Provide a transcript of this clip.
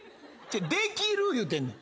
できる言うてんねん。